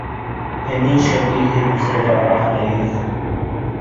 Һин ни эшләп ирһеҙ бисәләр араһында йөрөйһөң?